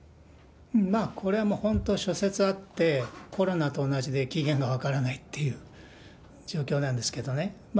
これはもう本当、諸説あって、コロナと同じで起源が分からないという状況なんですけどね。